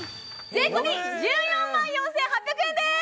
税込１４万４８００円です！